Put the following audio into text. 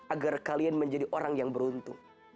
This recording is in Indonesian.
agar kalian menjadi orang yang beruntung